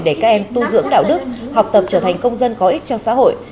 để các em tu dưỡng đạo đức học tập trở thành công dân có ích cho xã hội